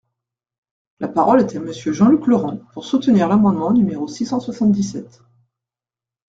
La parole est à Monsieur Jean-Luc Laurent, pour soutenir l’amendement numéro six cent soixante-dix-sept.